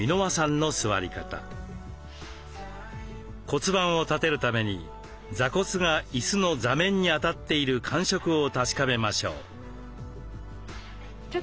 骨盤を立てるために座骨が椅子の座面に当たっている感触を確かめましょう。